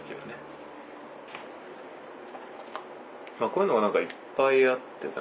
こういうのが何かいっぱいあって。